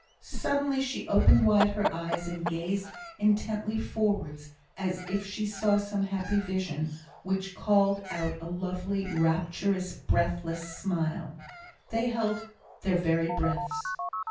Suddenly she opened wide her eyes, and gazed intently forwards, as if she saw some happy vision, which called out a lovely, rapturous, breathless smile. They held their very breaths.